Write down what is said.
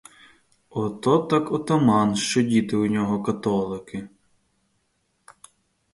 Ото так отаман, що діти у нього католики!